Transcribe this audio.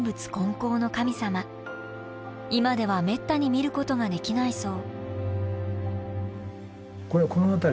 今ではめったに見ることができないそう。